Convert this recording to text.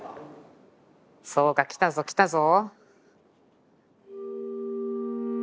そうかきたぞきたぞ。